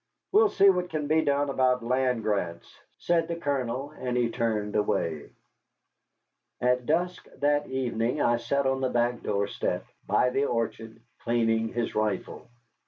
"We'll see what can be done about land grants," said the Colonel, and he turned away. At dusk that evening I sat on the back door step, by the orchard, cleaning his rifle.